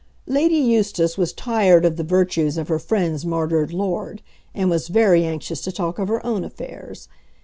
Lady Eustace was tired of the virtues of her friend's martyred lord, and was very anxious to talk of her own affairs.